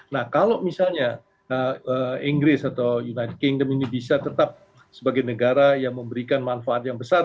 nah kalau misalnya inggris atau united kingdom ini bisa tetap sebagai negara yang memberikan manfaat yang besar